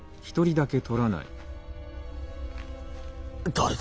誰だ？